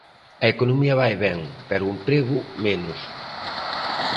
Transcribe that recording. A economía vai ben, pero o emprego, menos.